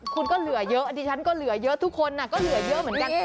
คุณก็เหลือเยอะดิฉันก็เหลือเยอะทุกคนก็เหลือเยอะเหมือนกัน